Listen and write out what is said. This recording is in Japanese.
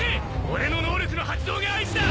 俺の能力の発動が合図だ！